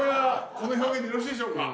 この表現でよろしいでしょうか？